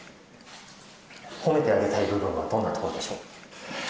褒めてあげたい部分はどんなところでしょう。